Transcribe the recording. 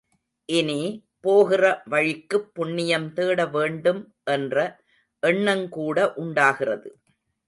இனி, போகிற வழிக்குப் புண்ணியம் தேடவேண்டும் என்ற எண்ணங்கூட உண்டாகிறது.